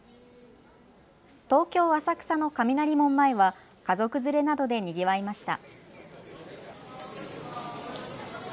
東京浅草の雷門前は家族連れなどでにぎわいました。